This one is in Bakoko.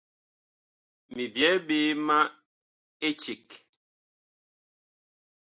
Mi byɛɛ ɓe ma eceg.